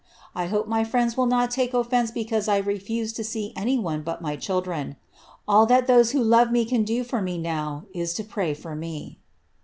I hope my friends will not take oflence because I refuse U see any one but my children. All that those who lore me can do fa me now, is to pray for me."